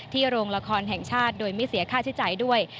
โรงละครแห่งชาติโดยไม่เสียค่าใช้จ่ายด้วย